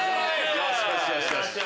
よしよしよしよし。